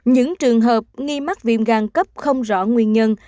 những trường hợp nghi mắc viêm gan cấp không rõ nguyên nhân